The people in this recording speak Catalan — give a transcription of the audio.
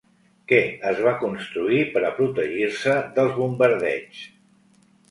Què es va construir per a protegir-se dels bombardeigs?